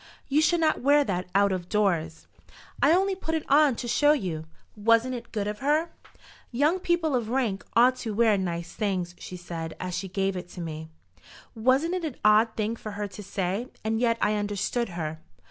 "You should not wear that out of doors." "I only put it on to show you. Wasn't it good of her? 'Young people of rank ought to wear nice things,' she said, as she gave it me. Wasn't it an odd thing for her to say? and yet I understood her."